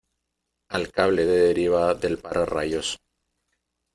al cable de deriva del para -- rayos,